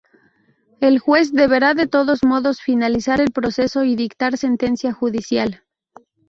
El juez deberá de todos modos finalizar el proceso y dictar sentencia judicial.